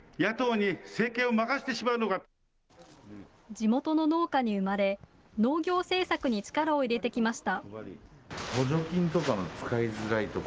地元の農家に生まれ、農業政策に力を入れてきました。